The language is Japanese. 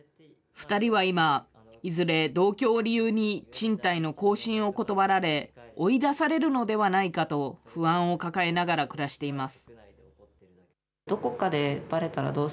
２人は今、いずれ同居を理由に賃貸の更新を断られ、追い出されるのではないかと不安を抱えながら暮らしています。